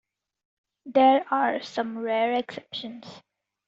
There are some rare exceptions.